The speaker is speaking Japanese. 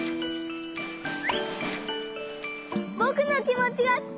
ぼくのきもちがつたわった！